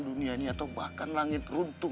ketika kau berjalan tua